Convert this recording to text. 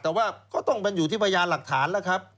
แต่ว่าก็ต้องเป็นอยู่ที่พยานหลักฐานแล้วครับ